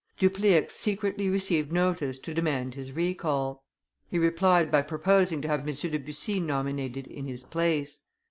Dupleix secretly received notice to demand his recall. He replied by proposing to have M. de Bussy nominated in his place.